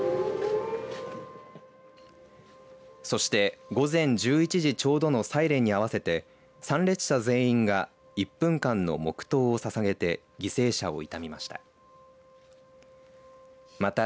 そして、午前１１時ちょうどのサイレンに合わせて参列者全員が１分間の黙とうをささげて犠牲者を悼みました。